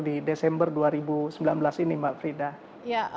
di desember dua ribu sembilan belas ini mbak frida